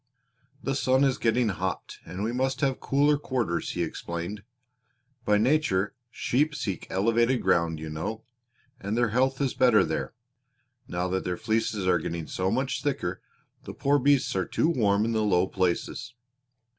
"The sun is getting hot and we must have cooler quarters," he explained. "By nature sheep seek elevated ground, you know, and their health is better there. Now that their fleeces are getting so much thicker the poor beasts are too warm in the low places.